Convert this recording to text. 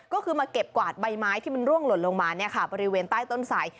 ก็คือมาเก็บกวาดใบไม้ที่มันร่วงหล่นลงมาบริเวณใต้ต้นสาย